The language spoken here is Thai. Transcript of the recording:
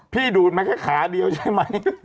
พี่ดูดไหมแค่ขาเดียวใช่ไหม